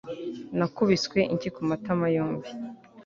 nakubiswe inshyi ku matama yombi